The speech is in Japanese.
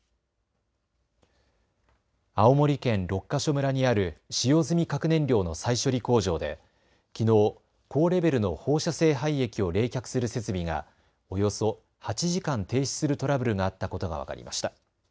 青森県六ヶ所村にある使用済み核燃料の再処理工場できのう、高レベルの放射性廃液を冷却する設備がおよそ８時間停止するトラブルがあったことが分かりました。